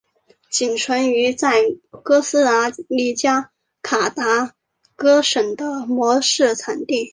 其仅存在于哥斯达黎加卡塔戈省的模式产地。